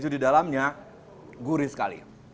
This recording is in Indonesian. dalamnya gurih sekali